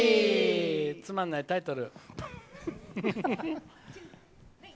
つまんないタイトル。